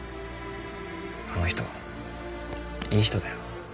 あの人いい人だよ。